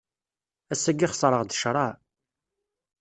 Ass-agi xeṣreɣ-d ccreɛ.